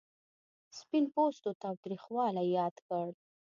سپین پوستو تاوتریخوالی یاد کړ.